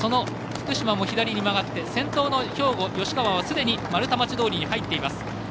福島も左に曲がって先頭の兵庫、吉川はすでに丸太町通に入っています。